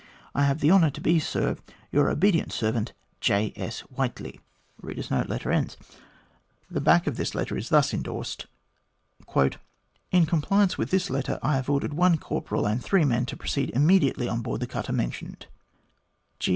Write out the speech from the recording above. I have the honour to be, Sir, Your obedient Servant, J. S. WHITELT. MAJOR DE WINTON: OLDEST LIVING GLADSTONIAN 18T The back of this letter is thus endorsed : "In compliance with this letter I have ordered one corporal and three men to proceed immediately on board the cutter mentioned.